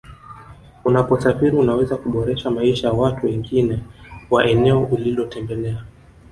Unaposafiri unaweza kuboresha maisha ya watu wengine wa eneo ulilotembelea